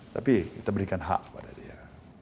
tapi kita berikan hak pada dia